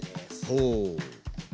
ほう。